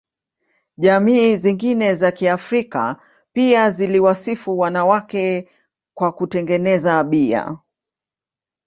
Jamii zingine za Kiafrika pia ziliwasifu wanawake kwa kutengeneza bia.